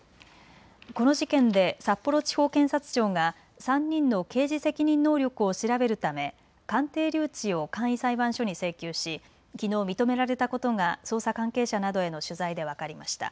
この事件で札幌地方検察庁が３人の刑事責任能力を調べるため鑑定留置を簡易裁判所に請求しきのう、認められたことが捜査関係者などへの取材で分かりました。